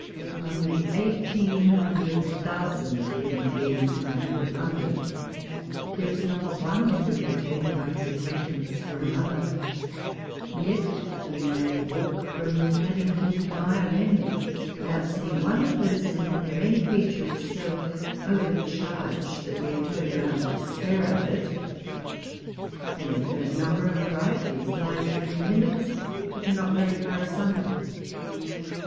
Among the eighteen hundred thousand human beings who inhabit London, there is not one who could be taken by his acquaintance for another; yet we may walk from Paddington to Mile End without seeing one person in whom any feature is so overcharged that we turn round to stare at it. An infinite number of varieties lies between limits which are not very far asunder.